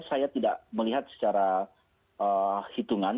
saya tidak melihat secara hitungan